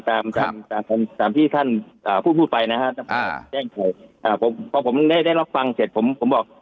ตามที่ท่านพูดไปนะฮะแจ้งถูกพอผมได้รับฟังเสร็จผมบอก